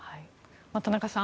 田中さん